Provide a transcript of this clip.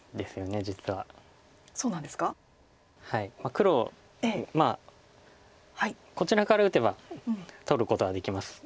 黒こちらから打てば取ることはできますが。